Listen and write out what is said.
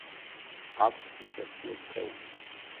აქვთ უქერცლო სხეული.